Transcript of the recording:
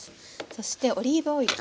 そしてオリーブオイル。